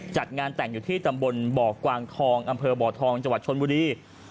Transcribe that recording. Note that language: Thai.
จัดงานแต่งอยู่ที่ตำบลบ่อกวางทองอำเภอบ่อทองจังหวัดชนบุรี